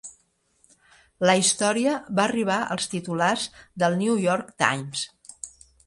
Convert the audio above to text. La història va arribar als titulars del "New York Times".